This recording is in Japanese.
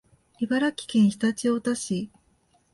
茨城県常陸太田市